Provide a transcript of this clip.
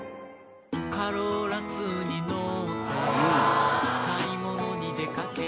「カローラⅡにのって買いものにでかけたら」